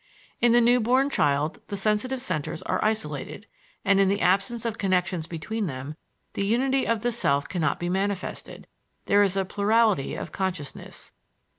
In the new born child the sensitive centers are isolated, and, in the absence of connections between them, the unity of the self cannot be manifested; there is a plurality of consciousness.